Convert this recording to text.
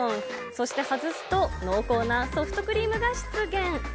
そして外すと濃厚なソフトクリームが出現。